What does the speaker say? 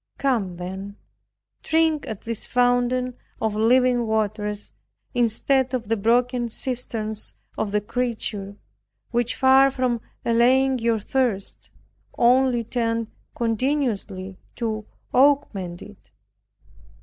Come then, drink at this fountain of living waters, instead of the broken cisterns of the creature, which far from allaying your thirst, only tend continually to augment it.